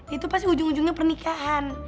itu pasti ujung ujungnya pernikahan